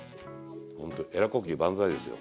ほんとえら呼吸万歳ですよ。